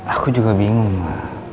aku juga bingung ma